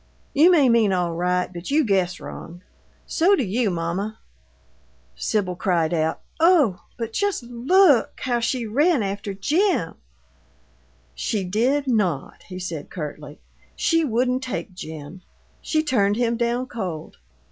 You may mean all right, but you guess wrong. So do you, mamma." Sibyl cried out, "Oh! But just LOOK how she ran after Jim " "She did not," he said, curtly. "She wouldn't take Jim. She turned him down cold."